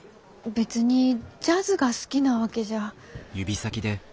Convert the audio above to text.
別にジャズが好きなわけじゃ。